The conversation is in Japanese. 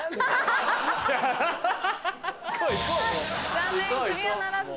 残念クリアならずです。